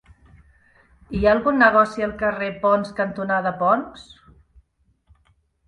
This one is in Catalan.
Hi ha algun negoci al carrer Ponts cantonada Ponts?